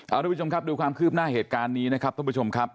เอาทุกผู้ชมครับดูความคืบหน้าเหตุการณ์นี้นะครับท่านผู้ชมครับ